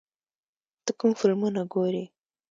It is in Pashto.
ته کوم فلمونه ګورې؟